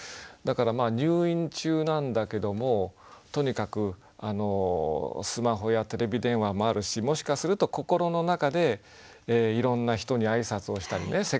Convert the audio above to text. だから入院中なんだけどもとにかくスマホやテレビ電話もあるしもしかすると心の中でいろんな人に挨拶をしたりね